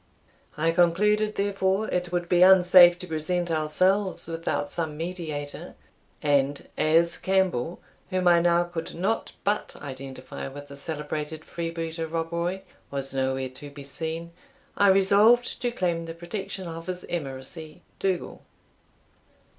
I concluded, therefore, it would be unsafe to present ourselves without some mediator; and as Campbell, whom I now could not but identify with the celebrated freebooter Rob Roy, was nowhere to be seen, I resolved to claim the protection of his emissary, Dougal.